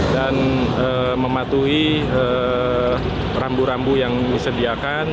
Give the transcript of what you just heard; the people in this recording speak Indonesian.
dan mematuhi rambu rambu yang disediakan